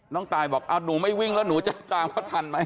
ตายบอกหนูไม่วิ่งแล้วหนูจะตามเขาทันไหม